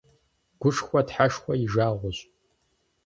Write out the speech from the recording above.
Гушхуэ тхьэшхуэ и жагъуэщ.